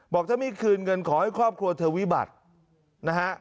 บอกถ้าไม่คืนเงินขอให้ครอบครัวเธอวิบัตินะฮะ